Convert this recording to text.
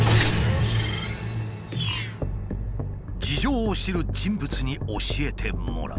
事情を知る人物に教えてもらう。